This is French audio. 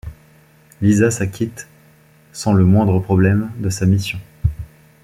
Lisa s'acquitte sans le moindre problème de sa mission.